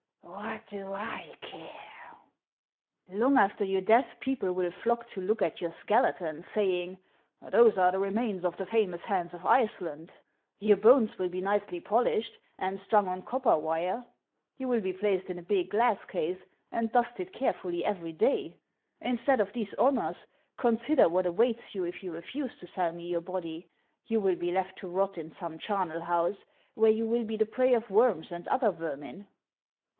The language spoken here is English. " What do I care ?"" Long after your death, people will flock to look at your skeleton, saying, ' Those are the remains of the famous Hans of Iceland !' Your bones will be nicely polished, and strung on copper wire ; you will be placed in a big glass case, and dusted carefully every clay. Instead of these honors, consider what awaits you if you refuse to sell me your body ; you will be left to rot in some charnel house, where you will be the prey of worms and other vermin."